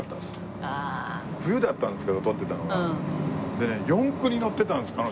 でね四駆に乗ってたんです彼女が。